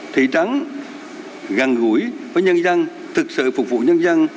thị trắng gần gũi với nhân dân thực sự phục vụ nhân dân